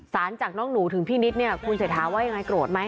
สารจากน้องหนูถึงพี่นิดคุณเสียถามว่ายังไงโกรธไหม